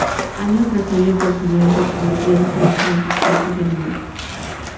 Año tras año continúa impartiendo clases en diferentes países del mundo.